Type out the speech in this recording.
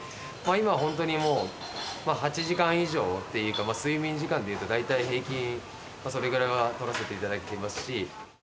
今は本当にもう８時間以上っていうか、睡眠時間でいうと大体平均それぐらいは取らせていただいています